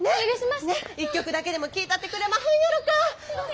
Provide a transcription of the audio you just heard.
一曲だけでも聴いたってくれまへんやろか。